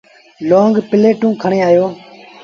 لونگ پليٽون کڻي آيو۔